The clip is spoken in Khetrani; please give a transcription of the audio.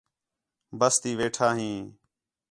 بس تی وِیٹھا ہیں